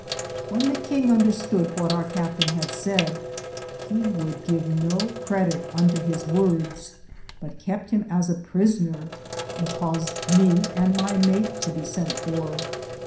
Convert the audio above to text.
When the kinge understode whate our captaine had saide, he would give no cridite unto his wordes, but kepte him as a prisner, and caused me and my mate to be sente for.